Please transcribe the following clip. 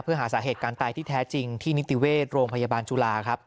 เพื่อหาสาเหตุการตายที่แท้จริงที่นิติเวชโรงพยาบาลจุฬาครับ